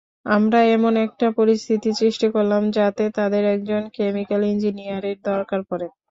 আমরা এমন একটা পরিস্থিতি সৃষ্টি করলাম যাতে তাদের একজন কেমিকেল ইঞ্জিনিয়ারের দরকার পড়ে।